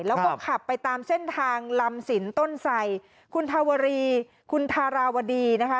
แล้วก็ขับไปตามเส้นทางลำสินต้นไสคุณทาวรีคุณทาราวดีนะคะ